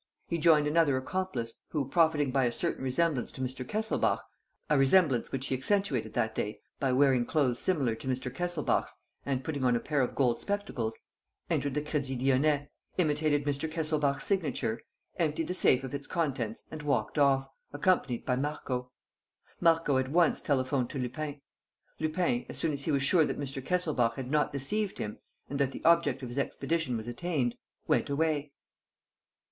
He joined another accomplice, who, profiting by a certain resemblance to Mr. Kesselbach a resemblance which he accentuated that day by wearing clothes similar to Mr. Kesselbach's and putting on a pair of gold spectacles entered the Crédit Lyonnais, imitated Mr. Kesselbach's signature, emptied the safe of its contents and walked off, accompanied by Marco. Marco at once telephoned to Lupin. Lupin, as soon as he was sure that Mr. Kesselbach had not deceived him and that the object of his expedition was attained, went away."